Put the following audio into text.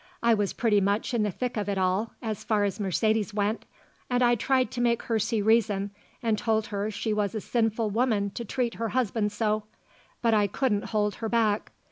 I was pretty much in the thick of it all, as far as Mercedes went, and I tried to make her see reason and told her she was a sinful woman to treat her husband so; but I couldn't hold her back.